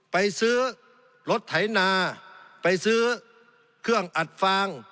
ไปซื้อรถไถนาไปซื้อเครื่องอัดฟาง